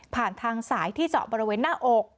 ทางสายที่เจาะบริเวณหน้าอก